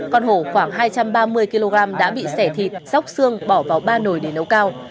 con hổ khoảng hai trăm ba mươi kg đã bị xẻ thịt sóc xương bỏ vào ba nồi để nấu cao